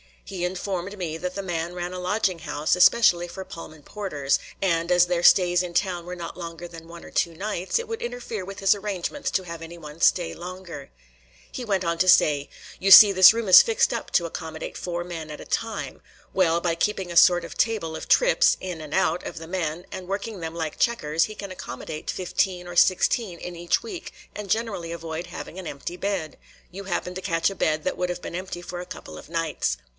He informed me that the man ran a lodging house especially for Pullman porters, and, as their stays in town were not longer than one or two nights, it would interfere with his arrangements to have anyone stay longer. He went on to say: "You see this room is fixed up to accommodate four men at a time. Well, by keeping a sort of table of trips, in and out, of the men, and working them like checkers, he can accommodate fifteen or sixteen in each week and generally avoid having an empty bed. You happen to catch a bed that would have been empty for a couple of nights."